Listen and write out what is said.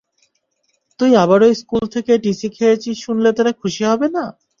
তুই আবারও স্কুল থেকে টিসি খেয়েছিস শুনলে তারা খুশি হবে না!